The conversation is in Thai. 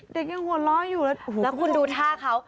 ยังหัวเราะอยู่แล้วแล้วคุณดูท่าเขา